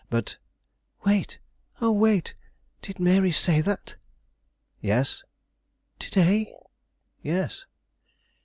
But " "Wait, oh, wait; did Mary say that?" "Yes." "To day?" "Yes."